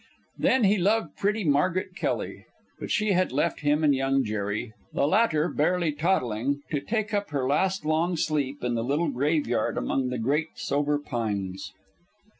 Then he loved pretty Margaret Kelly; but she had left him and Young Jerry, the latter barely toddling, to take up her last long sleep in the little graveyard among the great sober pines.